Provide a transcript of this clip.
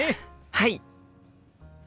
はい！